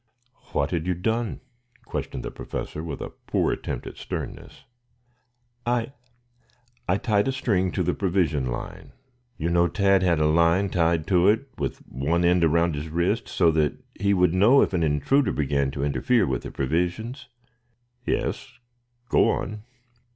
"What had you done?" questioned the Professor with a poor attempt at sternness. "I I tied a string to the provision line. You know Tad had a line tied to it with one end around his wrist so that he would know if an intruder began to interfere with the provisions?" "Yes. Go on."